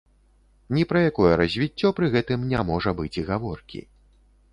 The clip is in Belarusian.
Ні пра якое развіццё пры гэтым не можа быць і гаворкі.